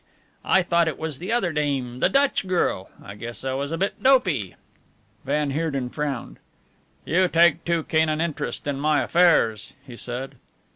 I thought it was the other dame the Dutch girl. I guess I was a bit dopey." Van Heerden frowned. "You take too keen an interest in my affairs," he said.